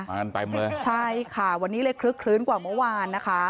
มากันเต็มเลยใช่ค่ะวันนี้เลยคลึกคลื้นกว่าเมื่อวานนะคะ